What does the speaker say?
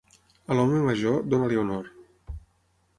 A l'home major, dona-li honor.